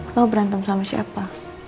lo berantem sama siapa